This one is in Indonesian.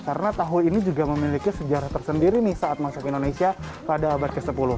karena tahu ini juga memiliki sejarah tersendiri saat masuk ke indonesia pada abad ke sepuluh